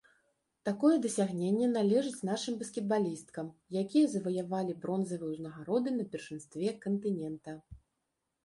Такое дасягненне належыць нашым баскетбалісткам, якія заваявалі бронзавыя ўзнагароды на першынстве кантынента.